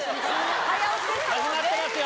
始まってますよ。